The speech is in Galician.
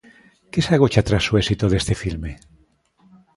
Que se agocha tras o éxito deste filme?